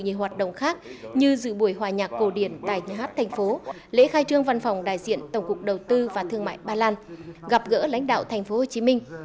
các hoạt động khác như dự buổi hòa nhạc cổ điển tại nhà hát tp lễ khai trương văn phòng đại diện tổng cục đầu tư và thương mại ba lan gặp gỡ lãnh đạo tp hcm